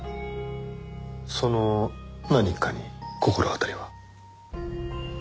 その何かに心当たりは？